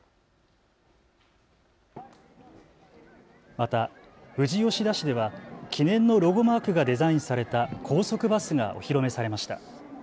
また、富士吉田市では記念のロゴマークがデザインされた高速バスがお披露目されました。